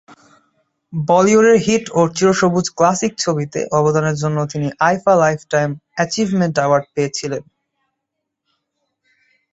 বলিউডের হিট ও চিরসবুজ ক্লাসিক ছবিতে অবদানের জন্য তিনি আইফা লাইফটাইম অ্যাচিভমেন্ট অ্যাওয়ার্ড পেয়েছিলেন।